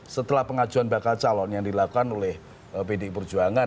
setelah pengajuan bakal calon yang dilakukan oleh pdi perjuangan